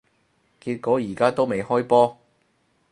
結果而家都未開波